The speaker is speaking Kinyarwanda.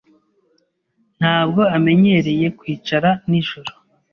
Ntabwo amenyereye kwicara nijoro.